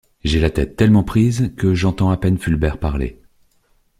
J'ai la tête tellement prise que j'entends à peine Fulbert parler.